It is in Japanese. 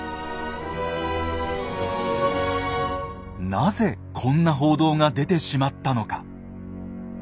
なぜこんな報道が出てしまったのか。